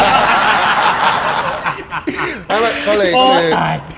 โอ้ตาย